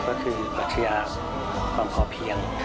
ก็คือประชาชนความพอเพียง